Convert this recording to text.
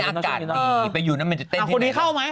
นี่อากาศดีไปอยู่นั่งหมายถึงเต้นที่ไหน